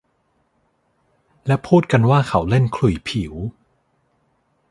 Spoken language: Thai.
และพูดกันว่าเขาเล่นขลุ่ยผิว